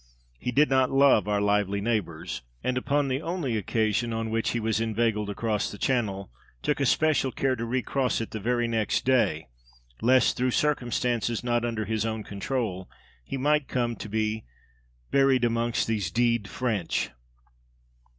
He did not love our lively neighbours; and, upon the only occasion on which he was inveigled across the Channel, took especial care to recross it the very next day, lest, through circumstances not under his own control, he might come to be "buried amongst these d d French!"